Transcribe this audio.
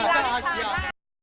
hendrawan setiawan yogyakarta